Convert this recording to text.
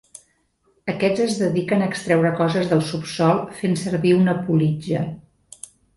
Aquests es dediquen a extreure coses del subsòl fent servir una politja.